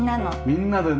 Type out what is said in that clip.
みんなでね。